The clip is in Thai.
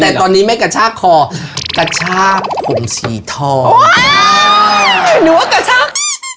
แต่ตอนนี้ไม่กระชากคอกระชากผมสีทองหนูว่ากระชาก